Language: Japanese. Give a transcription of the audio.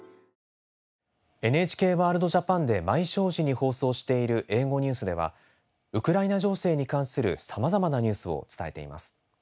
「ＮＨＫＷＯＲＬＤＪＡＰＡＮ」で毎正時に放送している英語ニュースではウクライナ情勢に関するさまざまなニュースを伝えています。